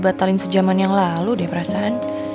batalin sejaman yang lalu deh perasaan